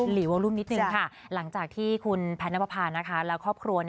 หรือว่าลุ่มนิดนึงค่ะหลังจากที่คุณแพทย์นับประพาและครอบครัว